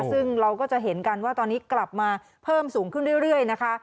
ซึ่งเราก็จะเห็นกันว่าตอนนี้กลับมาเพิ่มสูงขึ้นเรื่อยนะคะ